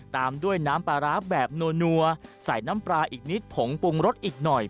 ตามด้วยน้ำปลาร้าแบบนัวใส่น้ำปลาอีกนิดผงปรุงรสอีกหน่อย